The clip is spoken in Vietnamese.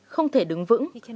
không thể đứng vững